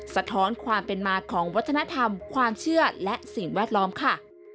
สะท้อนความเป็นมาของวัฒนธรรมความเชื่อและสิ่งแวดล้อมค่ะ